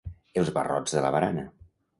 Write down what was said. Els barrots de la barana.